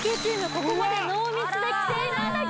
ここまでノーミスで来ています